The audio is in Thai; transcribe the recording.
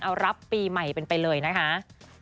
เอารับปีใหม่เป็นไปเลยนะคะ